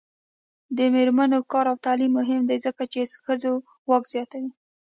د میرمنو کار او تعلیم مهم دی ځکه چې ښځو واک زیاتوي.